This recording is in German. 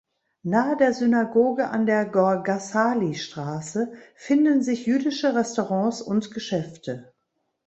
Nahe der Synagoge an der "Gorgassali-Straße" finden sich jüdische Restaurants und Geschäfte.